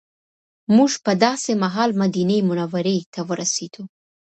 موږ په داسې مهال مدینې منورې ته ورسېدو.